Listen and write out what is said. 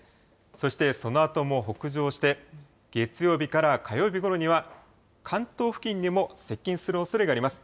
そしてそのあとも北上して、月曜日から火曜日ごろには、関東付近にも接近するおそれがあります。